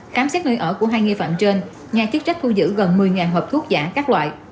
khám xét nơi ở của hai nghi phạm trên nhà chức trách thu giữ gần một mươi hộp thuốc giả các loại